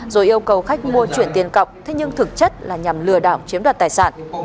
rồi yêu cầu khách mua chuyển tiền cọc thế nhưng thực chất là nhằm lừa đảo chiếm đoạt tài sản